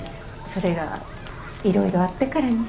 それがいろいろあってからに。